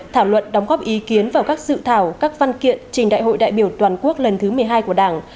thảo luận đóng góp ý kiến vào các dự thảo các văn kiện trình đại hội đại biểu toàn quốc lần thứ một mươi hai của đảng